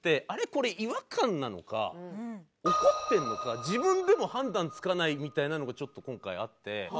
これ違和感なのか怒ってるのか自分でも判断つかないみたいなのが今回あって。